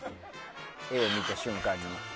絵を見た瞬間に。